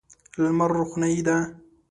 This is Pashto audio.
لمر روښنايي ده.